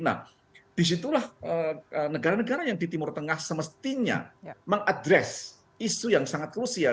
nah disitulah negara negara yang di timur tengah semestinya mengadres isu yang sangat krusial